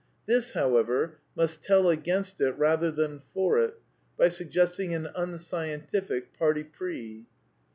This, however, must tell against it rather than for it, by suggesting an unscientific parti pris.